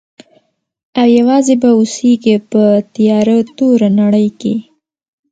او یوازي به اوسیږي په تیاره توره نړۍ کي.